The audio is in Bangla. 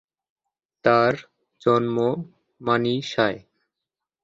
তার জন্ম মানিসায়।